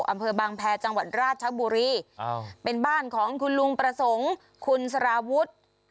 อำเภอบางแพรจังหวัดราชบุรีเป็นบ้านของคุณลุงประสงค์คุณสารวุฒิ